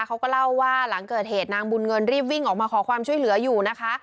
เขาก็เล่าว่าหลังเกิดเหตุนางบุญเงินรีบวิ่งออกมาขอความช่วยเหลืออยู่นะคะ